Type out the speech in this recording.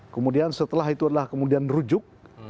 kemudian setelah itu adalah kemudian rujuk